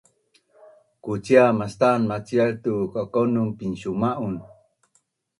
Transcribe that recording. kucia mastan macial tu kakaunun pinsuma’un